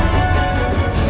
terhadap siksa api neraka